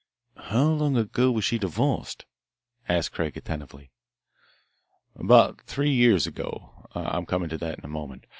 "How long ago was she divorced?" asked Craig attentively. "About three years ago. I'm coming to that in a moment.